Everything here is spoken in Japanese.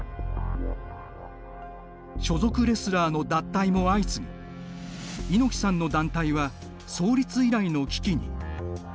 所属レスラーの脱退も相次ぎ猪木さんの団体は創立以来の危機に。